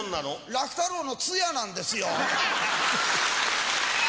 楽太郎の通夜なんですよ。